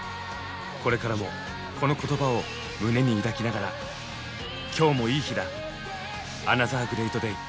これからもこの言葉を胸に抱きながら「今日もいい日だっ」